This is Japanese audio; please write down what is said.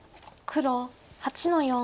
黒８の四。